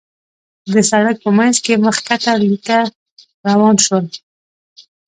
د سړک په مينځ کې مخ کښته ليکه روان شول.